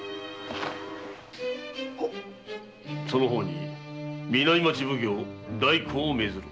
その方に南町奉行代行を命ずる。